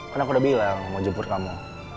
kan aku udah bilang mau jemput kamu